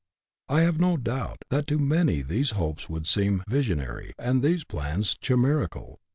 I have no doubt that to many these hopes would seem vision ary, and these plans chimerical.